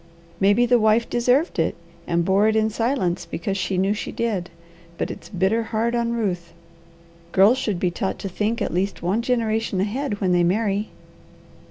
Maybe the wife deserved it, and bore it in silence because she knew she did, but it's bitter hard on Ruth. Girls should be taught to think at least one generation ahead when they marry.